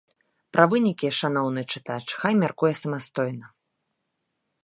Пра вынікі шаноўны чытач хай мяркуе самастойна.